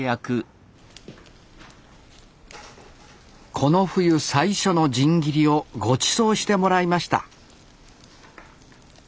この冬最初の新切りをごちそうしてもらいました